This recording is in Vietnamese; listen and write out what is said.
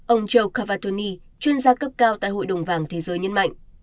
ông joe cavatoni chuyên gia cấp cao tại hội đồng vàng thế giới nhân mạnh